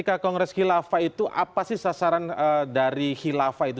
hak masyarakat untuk melakukan perubahan ke arah islam itu